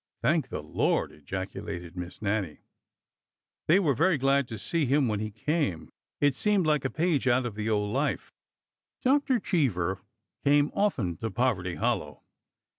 "Thank the Lord!" ejaculated Miss Nannie. They were very glad to see him when he came — it seemed like a page out of the old life. Dr. Cheever came often to Poverty Hollow.